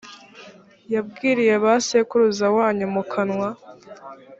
yabwiriye ba sekuruza wanyu mu kanwa